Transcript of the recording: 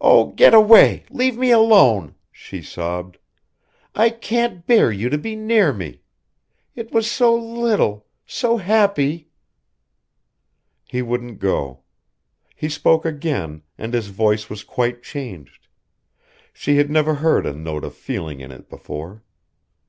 "Oh, get away leave me alone," she sobbed. "I can't bear you to be near me. It was so little. So happy " He wouldn't go. He spoke again, and his voice was quite changed she had never heard a note of feeling in it before.